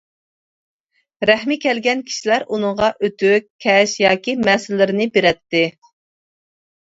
رەھمى كەلگەن كىشىلەر ئۇنىڭغا ئۆتۈك، كەش ياكى مەسىلىرىنى بېرەتتى.